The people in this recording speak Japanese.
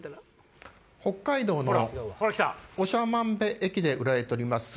北海道の長万部駅で売られております